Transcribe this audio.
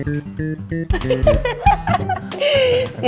tapi mau proposed men strange